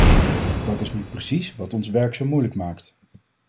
Dat is nu precies wat ons werk zo moeilijk maakt.